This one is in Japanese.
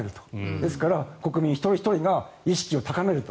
ですから、国民一人ひとりが意識を高めると。